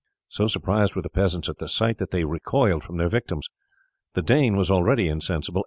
So surprised were the peasants at the sight that they recoiled from their victims. The Dane was already insensible.